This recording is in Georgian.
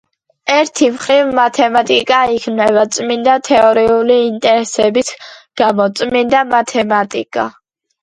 ერთი მხრივ მათემატიკა იქმნება წმინდა თეორიული ინტერესების გამო – წმინდა მათემატიკა.